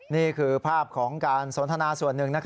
นี่คือภาพของการสนทนาส่วนหนึ่ง